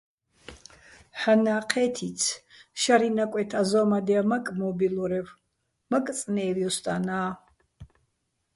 ჰ̦ანნა́ ჴე́თიც, შარიჼ ნაკვეთ აზო́მადჲანა́ მაკე̆ მო́ბილურევ, მაკე̆ წნე́ვ ჲუსტანა́.